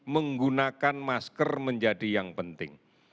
menggunakan masker menjadi yang penting